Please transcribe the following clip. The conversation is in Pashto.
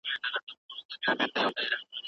موږ به په راتلونکي کې د اسیا په کچه لوبې وکړو.